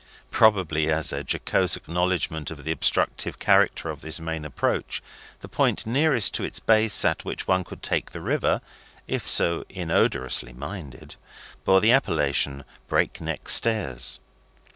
Probably as a jocose acknowledgment of the obstructive character of this main approach, the point nearest to its base at which one could take the river (if so inodorously minded) bore the appellation Break Neck Stairs.